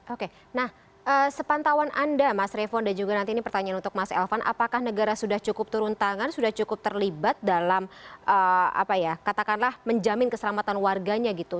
oke nah sepantauan anda mas revo dan juga nanti ini pertanyaan untuk mas elvan apakah negara sudah cukup turun tangan sudah cukup terlibat dalam apa ya katakanlah menjamin keselamatan warganya gitu